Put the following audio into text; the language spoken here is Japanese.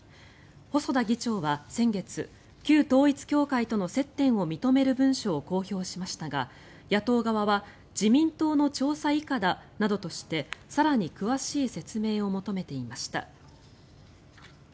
細田議長は先月旧統一教会との接点を認める文書を公表しましたが野党側は自民党の調査以下だなどとして更に詳しい説明を求めていました。